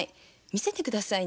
見せて下さい！